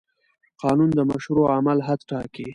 قانون د مشروع عمل حد ټاکي.